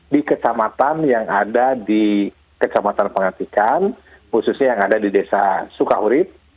di kecamatan yang ada di kecamatan pengatikan khususnya yang ada di desa sukaurit